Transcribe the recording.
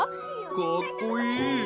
かっこいい！